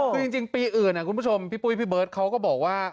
คือจริงปีอื่นคุณผู้ชมพี่ปุ้ยพี่เบิร์ตเขาก็บอกว่า